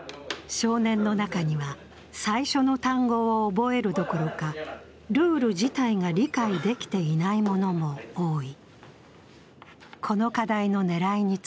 少年の中には、最初の単語を覚えるどころかルール自体が理解できていない者も多い。